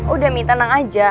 udah mie tenang aja